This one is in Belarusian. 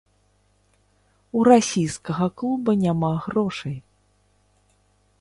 У расійскага клуба няма грошай.